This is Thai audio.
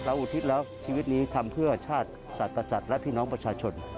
อุทิศแล้วชีวิตนี้ทำเพื่อชาติศาสกษัตริย์และพี่น้องประชาชน